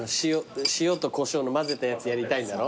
塩とこしょうの混ぜたやつやりたいんだろ？